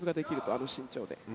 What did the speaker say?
あの身長で。